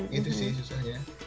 gitu sih susahnya